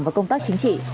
và công tác chính trị